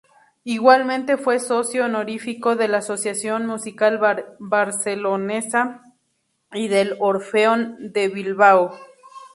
Igualmente fue socio honorífico de la "Asociación Musical Barcelonesa" y del "'Orfeón de Bilbao".